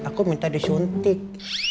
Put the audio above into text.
aku minta disuntik